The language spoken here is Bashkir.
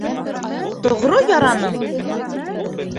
Тоғро яраның?